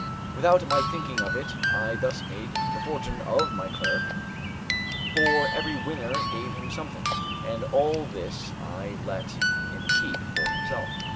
Without my thinking of it I thus made the fortune of my clerk, for every winner gave him something, and all this I let him keep for himself.